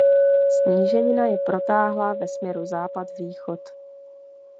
Sníženina je protáhlá ve směru západ východ.